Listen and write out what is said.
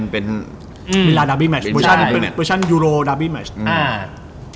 เป็นมิลานดับบี้แมชเบอร์ชั่นยูโรดับบี้แมช